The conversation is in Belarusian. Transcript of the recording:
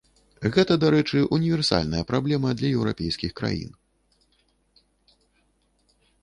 Гэта, дарэчы, універсальная праблема для еўрапейскіх краін.